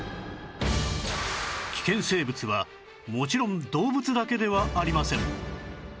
危険生物はもちろん動物だけではありません